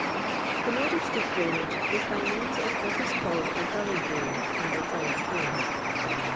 The mode of street drainage is by menus of what is called a gully hole and a pully drain.